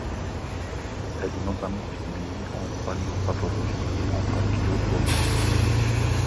Elle est notamment utilisée en paléopathologie et en archéozoologie.